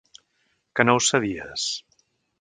Que no ho sabies?